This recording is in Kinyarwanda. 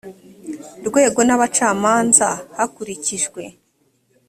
rwego n abacamanza hakurikijwe